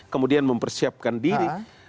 kemudian mempersiapkan diri